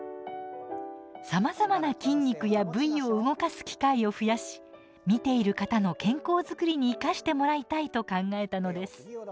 さまざまな筋肉や部位を動かす機会を増やし見ている方の健康作りに生かしてもらいたいと考えたのです。